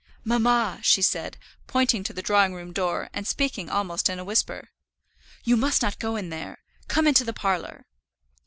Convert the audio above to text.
"Mamma," she said, pointing to the drawing room door, and speaking almost in a whisper, "you must not go in there; come into the parlour."